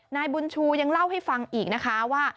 นายบุญชูยังเล่าให้ฟังอีกนะคะว่า